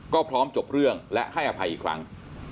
ก็พร้อมจบเรื่องและให้อภัยอีกครั้ง